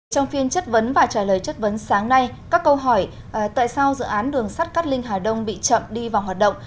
trong phiên chất vấn và trả lời chất vấn sáng nay các câu hỏi tại sao dự án đường sắt cát linh hà đông bị chậm đi vào hoạt động